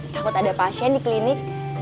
takut ada pasien di klinik